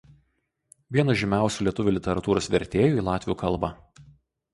Vienas žymiausių lietuvių literatūros vertėjų į latvių kalbą.